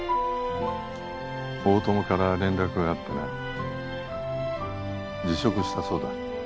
大友から連絡があってな辞職したそうだ